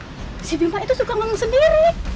kamu tuh suka nge meng sendiri